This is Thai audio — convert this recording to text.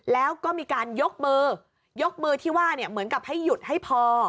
แล้วก็มีการยกมือยกมือที่ว่าเหมือนกับให้หยุดให้พอ